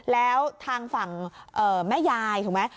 แล้วทางฝั่งแม่ยายถูกไหม